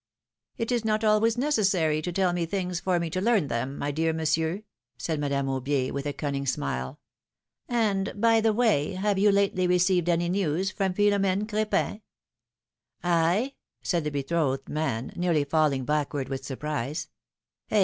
It is not always necessary to tell me things for me to learn them, my dear Monsieur, said Madame Aubier, with a cunning smile. ^^And, by the way, have you lately received any news from Philom^ne Cr^pin ?" said the betrothed man, nearly falling backward with surprise ; eh